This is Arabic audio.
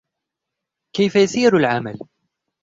كيف يسير العمل؟